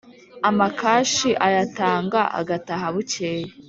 Amakashi ayatanga agataha bukeye.